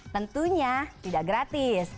tentunya tidak gratis